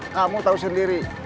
kamu tahu sendiri